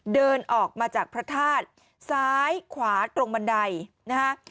เดินออกมาจากพระธาตุซ้ายขวาตรงบันไดนะฮะ